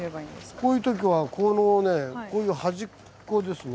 こういう時はこのねこういう端っこですね。